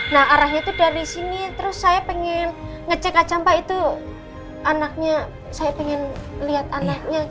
nah arahnya itu dari sini terus saya pengen ngecek aja mbak itu anaknya saya pengen lihat anaknya